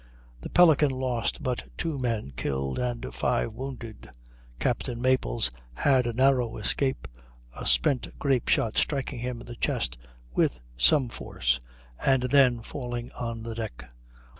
The Pelican lost but two men killed and five wounded. Captain Maples had a narrow escape, a spent grape shot striking him in the chest with some force, and then falling on the deck.